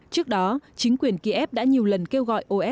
trước đó chính quyền kiev đã nhiều lần kêu gọi osce để đặt bộ tứ vũ trang